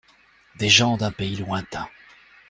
Des gens d’un pays lointain.